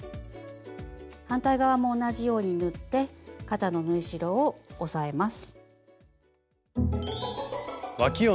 反対側も同じように縫って肩の縫い代を押さえます。